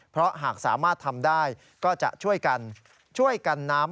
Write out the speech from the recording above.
เพราะหากสามารถทำได้ก็จะช่วยกันช่วยกันน้ำ